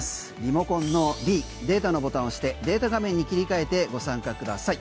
リモコンのｄデータのボタンを押してデータ画面に切り替えてご参加ください。